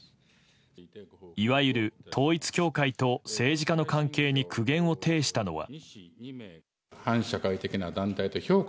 いわゆる統一教会と政治家の関係に苦言を呈したのは。